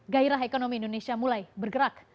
gairah ekonomi indonesia mulai bergerak